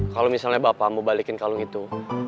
kalau misalnya bapak mau balikin kalung itu